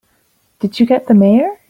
Did you get the Mayor?